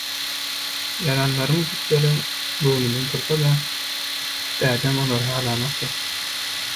Ýazanlarym köpleriň göwnünden tursa-da, dädem olary halanokdy.